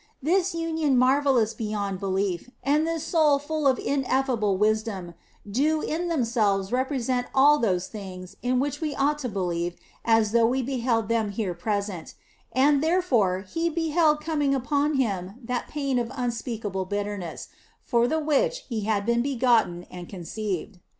This union marvellous beyond belief, and this soul full of ineffable wisdom, do in themselves represent all those OF FOLIGNO 81 things in which we ought to believe as though we beheld them here present ; and therefore, He beheld coming iipon Him that pain of unspeakable bitterness, for the which He had been begotten and conceived.